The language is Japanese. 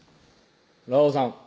ラオウさん